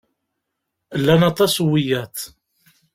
Llan aṭas n wiyaḍ.